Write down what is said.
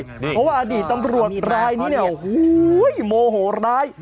เพราะว่าอดีตตำรวจรายนี้โมโหราย